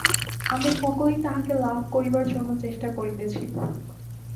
আমরা সকলেই তাঁহাকে লাভ করিবার জন্য চেষ্টা করিতেছি।